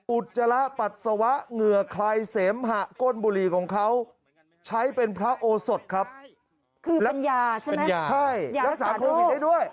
อุจจาระปัสสาวะเหงื่อคลายเสมหะก้นบุหรี่ของเขาใช้เป็นพระโอสดครับคือเป็นยาใช่ไหมเป็นยาใช่ยารักษาโควิดได้ด้วย